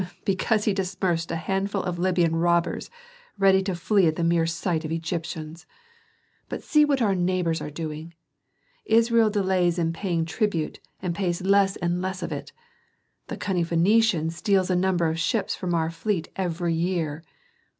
Because he dispersed a handful of Libyan robbers ready to flee at the mere sight of Egyptians. But see what our neighbors are doing. Israel delays in paying tribute and pays less and less of it. The cunning Phœnician steals a number of ships from our fleet every year.